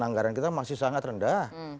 anggaran kita masih sangat rendah